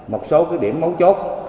một số cái điểm mấu chốt